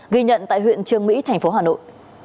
ghi nhận tại huyện trương mỹ thành phố hà nội